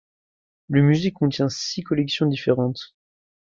Le musée contient six collections différentes.